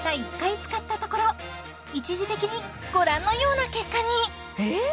一時的にご覧のような結果にえっ！？